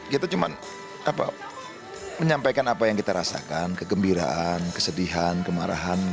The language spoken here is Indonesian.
kita cuma menyampaikan apa yang kita rasakan kegembiraan kesedihan kemarahan